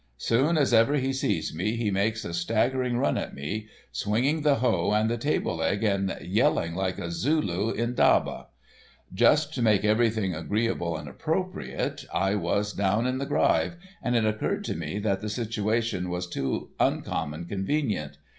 Soon as ever he sees me he makes a staggering run at me, swinging the hoe and the table leg and yelling like a Zulu indaba. Just to make everything agreeable and appropriate, I was down in the gryve, and it occurred to me that the situation was too uncommon convenient.